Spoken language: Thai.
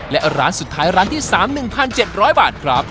และร้านสุดท้ายร้านที่๓หนึ่งพันเจ็ดร้อยบาทครับ